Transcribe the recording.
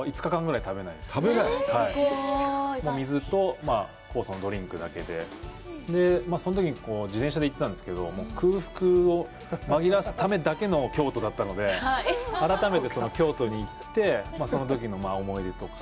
水と酵素ドリンクだけで、そのときに自転車で行ったんですけど、空腹を紛らわすためだけの京都だったので、改めて京都に行って、そのときの思い出とか。